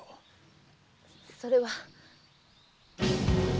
それは。